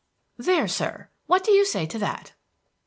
'" "There, sir! what do you say to that?"